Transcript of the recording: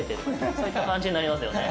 そういった感じになりますよね。